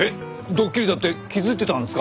ドッキリだって気づいてたんですか？